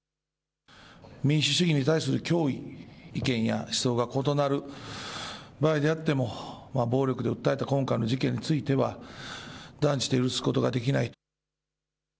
民主主義に対する脅威、意見や思想が異なる場合であっても、暴力で訴えた今回の事件については、断じて許すことができない。